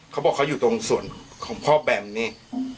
เขาบอกเขาอยู่ตรงส่วนของพ่อแบมนี่